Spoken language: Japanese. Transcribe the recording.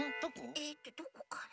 えっとどこかな？